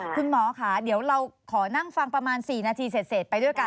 คุณหมอค่ะเดี๋ยวเราขอนั่งฟังประมาณ๔นาทีเสร็จไปด้วยกัน